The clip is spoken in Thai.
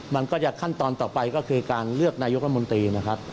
มันก็จะขั้นตอนต่อไปก็คือการเลือกนายกรมนตรีนะครับ